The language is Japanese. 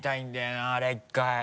なあれ１回。